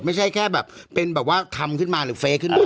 ไม่ใช่แค่แบบเป็นแบบว่าทำขึ้นมาหรือเฟย์ขึ้นมา